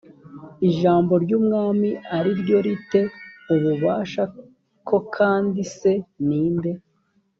ijambo ry umwami ari ryo ri te ububasha k kandi se ni nde